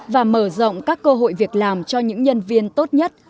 và mở rộng các cơ hội việc làm cho những nhân viên tốt nhất